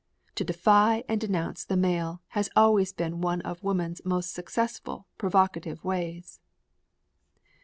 To defy and denounce the male has always been one of woman's most successful provocative ways!